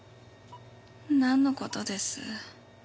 なんの事です？